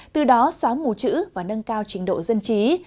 từ đó xóa mù chữ và nâng cao trình độ dân trí